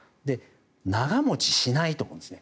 長持ちしないと思うんですね。